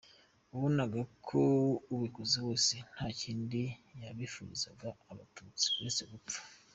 Wabonaga ko ubikoze wese nta kindi yabifurizaga abatutsi, uretse gupfa.